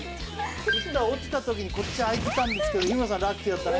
生田が落ちたときにこっちあいてたんですけど日村さんラッキーだったね。